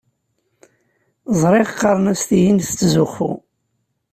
Ẓriɣ qqaren-as tihin tettzuxxu.